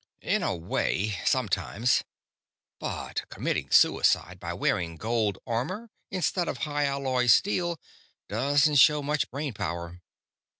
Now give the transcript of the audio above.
"_ _"In a way sometimes but committing suicide by wearing gold armor instead of high alloy steel doesn't show much brain power."